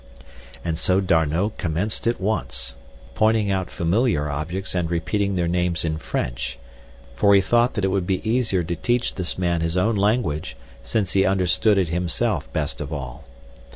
And so D'Arnot commenced at once, pointing out familiar objects and repeating their names in French, for he thought that it would be easier to teach this man his own language, since he understood it himself best of all.